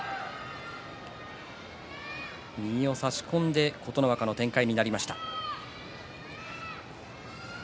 右を差し込んで琴ノ若の展開になりました。